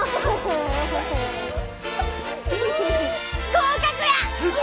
合格や！